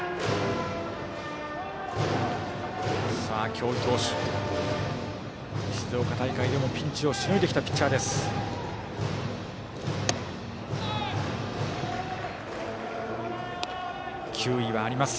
京井投手、静岡大会でもピンチをしのいできたピッチャーです。